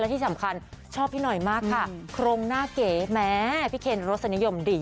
ที่สำคัญชอบพี่หน่อยมากค่ะโครงหน้าเก๋แม้พี่เคนรสนิยมดี